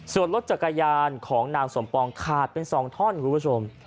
ส่วนรถจักรยานของนางสมปองขาดเป็น๒ท่อนคุณผู้ชม